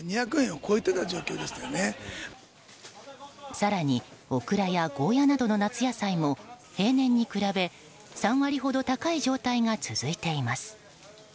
更に、オクラやゴーヤーなどの夏野菜も平年に比べ３割ほど高い状態が続いています。